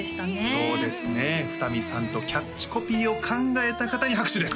そうですね二見さんとキャッチコピーを考えた方に拍手です